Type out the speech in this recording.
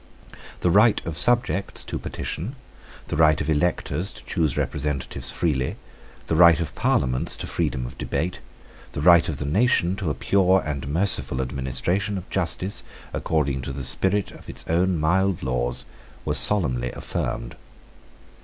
The right of subjects to petition, the right of electors to choose representatives freely, the right of Parliaments to freedom of debate, the right of the nation to a pure and merciful administration of justice according to the spirit of its own mild laws, were solemnly affirmed.